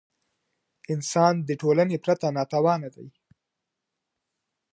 انسان د ټولني پرته ناتوان دی.